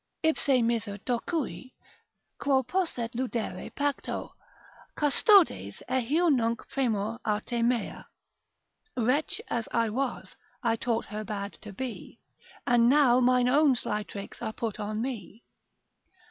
Ipse miser docui, quo posset ludere pacto Custodes, eheu nunc premor arte mea. Wretch as I was, I taught her bad to be, And now mine own sly tricks are put upon me.